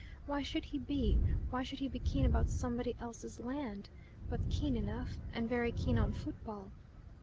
Why should he be? Why should he be keen about somebody else's land? But keen enough. And very keen on football."